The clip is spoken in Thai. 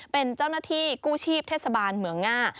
เป็นเจ้าหน้าที่กู้ชีพเทศบาลเมืองง่า